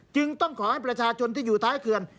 จึงต้องขอให้ประชาชนที่อยู่ท้ายเขื่อน